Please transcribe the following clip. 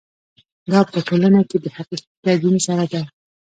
دا په ټولنه کې د حقیقي تدین سره ده.